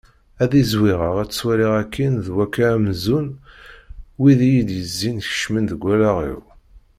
Ad izwiɣeɣ ad ttwaliɣ akkin d wakka amzun wid iyi-d-yezzin kecmen deg wallaɣ-iw.